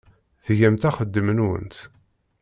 Tgamt axeddim-nwent.